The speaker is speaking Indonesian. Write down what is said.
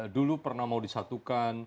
dulu pernah mau disatukan